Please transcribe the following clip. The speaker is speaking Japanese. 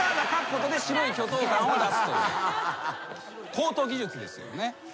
高等技術ですよね。